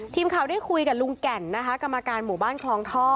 ทีมข่าวได้คุยกับลุงแก่นนะคะกรรมการหมู่บ้านคลองท่อ